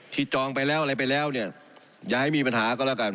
จองไปแล้วอะไรไปแล้วเนี่ยอย่าให้มีปัญหาก็แล้วกัน